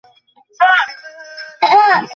ওদের মিসাইল আর হাতিয়ারকে টপকিয়ে তা সম্ভব নয়।